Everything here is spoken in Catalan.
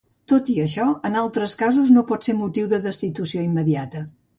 Tot i això, en altres casos no pot ser motiu de destitució immediata.